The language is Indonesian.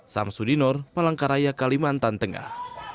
sam sudinor palangkeraya kalimantan tengah